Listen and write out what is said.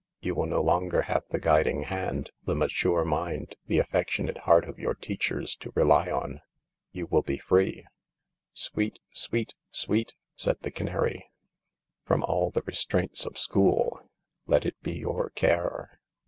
You will no longer have the guiding hand, the mature mind, the affectionate heart of your teachers to rely on. You will be free ..."*" Sweet, sweet, sweet !" said the canary. "... from all the restraints of school. Let it be your care